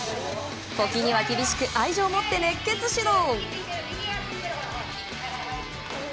時には厳しく愛情を持って熱血指導。